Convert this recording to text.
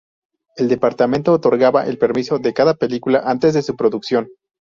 El departamento otorgaba el permiso de cada película antes de su producción.